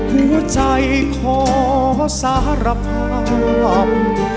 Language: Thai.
หัวใจขอสารภาพ